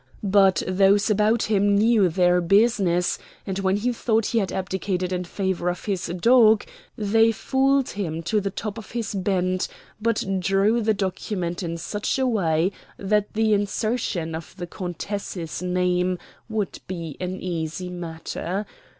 But those about him knew their business, and when he thought he had abdicated in favor of his dog they fooled him to the top of his bent, but drew the document in such a way that the insertion of the countess's name would be an easy matter.